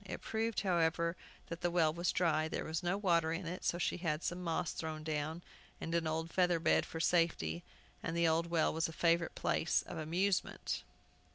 It proved, however, that the well was dry. There was no water in it; so she had some moss thrown down, and an old feather bed, for safety, and the old well was a favorite place of amusement.